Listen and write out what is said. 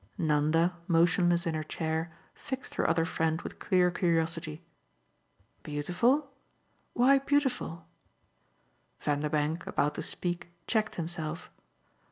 Nanda, motionless in her chair, fixed her other friend with clear curiosity. "'Beautiful'? Why beautiful?" Vanderbank, about to speak, checked himself.